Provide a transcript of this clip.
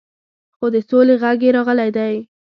خو د سولې غږ یې راغلی دی.